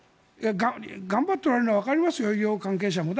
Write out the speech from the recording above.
頑張っておられるのはわかりますよ、医療関係者も。